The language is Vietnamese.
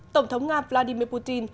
tổng thống nga vladimir putin